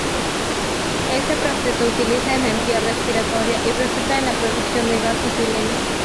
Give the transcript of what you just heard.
Este proceso utiliza energía respiratoria y resulta en la producción de gas etileno.